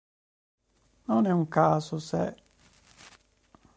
Non è un caso se...